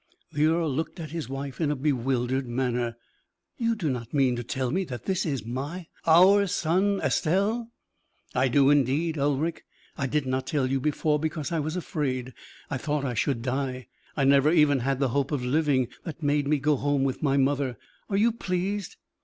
'" The earl looked at his wife in a bewildered manner. "You do not mean to tell me that this is my our son, Estelle?" "I do, indeed, Ulric. I did not tell you before, because I was afraid. I thought I should die. I never even had the hope of living that made me go home with my mother. Are you pleased?"